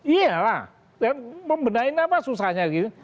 iya lah membenahi apa susahnya gitu